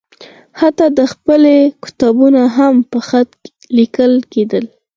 حتی د پخلي کتابونه هم په خط لیکل کېدل.